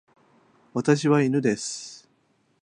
私は犬です。